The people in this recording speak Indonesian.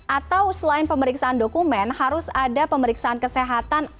atau selain pemeriksaan dokumen harus ada pemeriksaan kesehatan